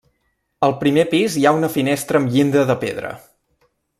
Al primer pis hi ha una finestra amb llinda de pedra.